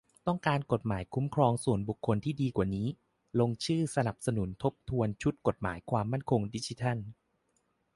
ต้องการกฎหมายคุ้มครองส่วนบุคคลที่ดีกว่านี้ ? ลงชื่อสนับสนุนการทบทวนชุดกฎหมายความมั่นคงดิจิทัล